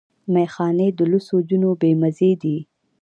ميخانې د لوڅو جونو بې مزې دي